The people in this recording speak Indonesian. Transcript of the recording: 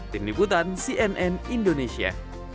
tim liputan cnn indonesia